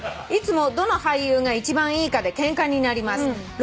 「いつもどの俳優が一番いいかでケンカになります」